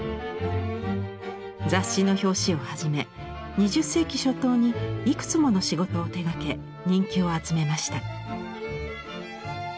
雑誌の表紙をはじめ２０世紀初頭にいくつもの仕事を手がけ人気を集めました。